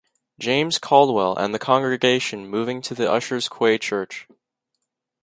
James Caldwell and the congregation moving to the Ushers Quay church.